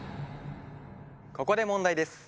ここで問題です。